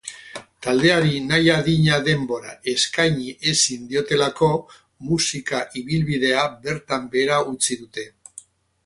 Taldeari nahi adina denbora eskaini ezin diotelako musika ibilbidea bertan behera utzi dute.